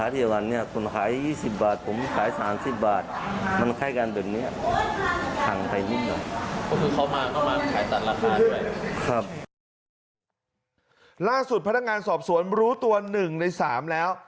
ล่าสุดพันธการสอบสวนรู้ตัว๑ใน๓แล้ว